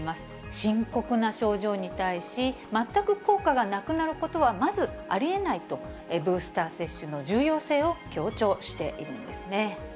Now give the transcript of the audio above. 深刻な症状に対し、全く効果がなくなることはまずありえないと、ブースター接種の重要性を強調しているんですね。